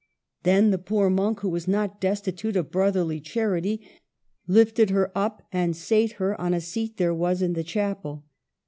Then the poor monk, who was not destitute of brotherly charity, hfted her up and sate her on a seat there was in the chapel.